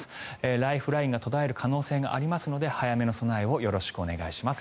ライフラインが途絶える可能性がありますので早めの備えをよろしくお願いします。